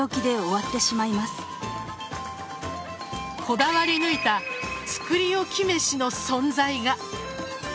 こだわり抜いた作り置きめしの存在が。